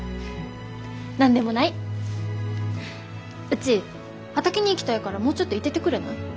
うち畑に行きたいからもうちょっと居ててくれない？